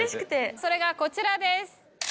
それがこちらです。